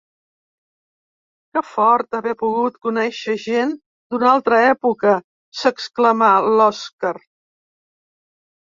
Que fort haver pogut conèixer gent d'una altra època —s'exclamà l'Oskar—.